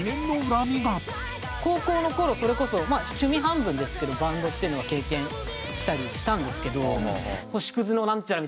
高校の頃それこそ趣味半分ですけどバンドっていうのを経験したりしたんですけど。